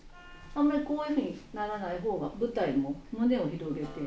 あんまりこういうふうにならない方が舞台も胸を広げて。